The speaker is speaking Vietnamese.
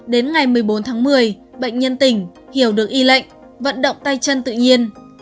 đến ngày một mươi bốn tháng một mươi bệnh nhân tỉnh hiểu được y lệnh vận động tay chân tự nhiên